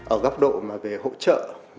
ở góc độ về hỗ trợ